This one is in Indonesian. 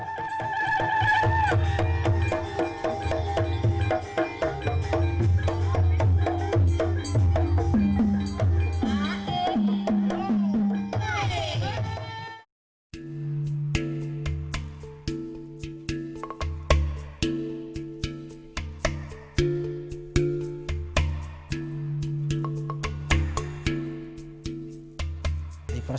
seorang anggota perusahaan sekali mendeng